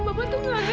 mama tuh gak ngerti